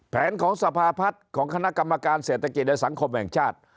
ของสภาพัฒน์ของคณะกรรมการเศรษฐกิจและสังคมแห่งชาติ